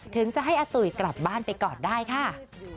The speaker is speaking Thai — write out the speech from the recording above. ถึงจะให้อาตุ๋ยกลับบ้านไปก่อนได้ค่ะ